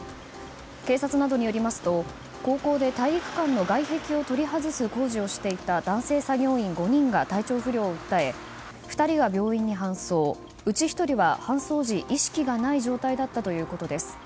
警察などによりますと高校で、体育館の外壁を取り外す工事をしていた男性作業員５人が体調不良を訴え２人が病院に搬送うち１人は搬送時、意識がない状態だったということです。